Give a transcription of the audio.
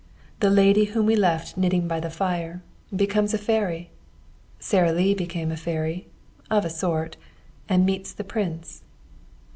The lady, whom we left knitting by the fire, becomes a fairy Sara Lee became a fairy, of a sort and meets the prince.